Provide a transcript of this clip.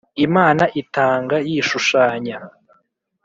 imana itanga yishushanya